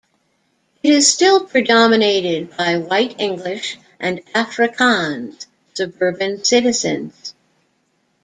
It is still predominated by white English and Afrikaans suburban citizens.